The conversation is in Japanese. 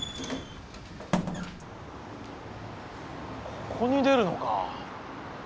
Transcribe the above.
ここに出るのか。